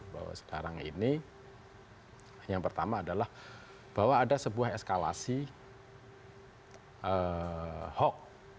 bahwa sekarang ini yang pertama adalah bahwa ada sebuah eskalasi hoax